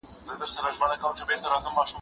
د شــرعــياتـو پـوهنځی